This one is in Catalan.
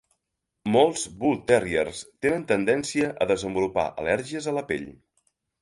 Molts bull terriers tenen tendència a desenvolupar al·lèrgies a la pell.